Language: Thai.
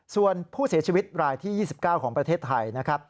ส่วนผู้เสียชีวิตรายที่๒๙ของประเทศไทยนะครับ